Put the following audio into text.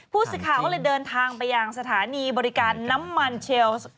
พูดสิทธิ์ข่าวก็เลยเดินทางไปอย่างสถานีบริการน้ำมันเชียว